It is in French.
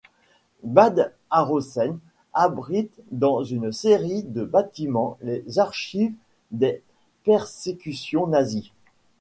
Bad Arolsen abrite dans une série de bâtiments les archives des persécutions nazies.